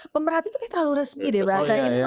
pemerhati tuh kayak terlalu resmi deh bahasa indra